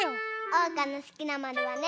おうかのすきなまるはね。